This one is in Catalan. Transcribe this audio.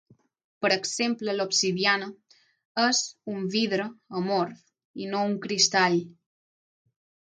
Per exemple l'obsidiana és un vidre amorf i no un cristall.